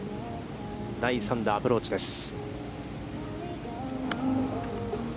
第３打、アプローチです。